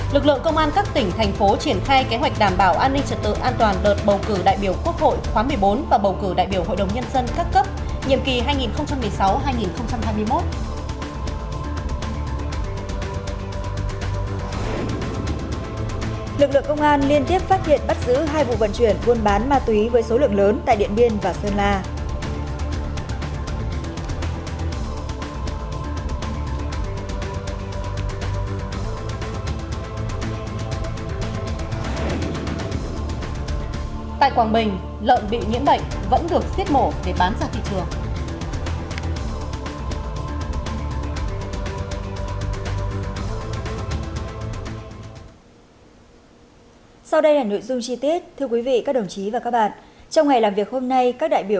lực lượng công an các tỉnh thành phố triển khai kế hoạch đảm bảo an ninh trật tự an toàn đợt bầu cử đại biểu quốc hội khóa một mươi bốn và bầu cử đại biểu hội đồng nhân dân các cấp nhiệm kỳ hai nghìn một mươi sáu hai nghìn hai mươi một